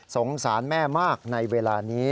สงสารแม่มากในเวลานี้